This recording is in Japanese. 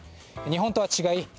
日本とは違い